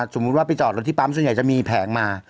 สมมุติว่าไปจอดรถที่ปั๊มส่วนใหญ่จะมีแผงมา